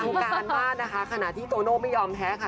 วงการบ้านนะคะขณะที่โตโน่ไม่ยอมแพ้ค่ะ